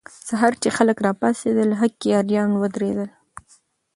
سهار چې خلک راپاڅېدل، هکي اریان ودرېدل.